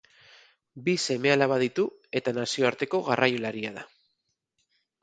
Bi seme-alaba ditu eta nazioarteko garraiolaria da.